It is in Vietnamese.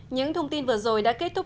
những thông tin vừa rồi đã kết thúc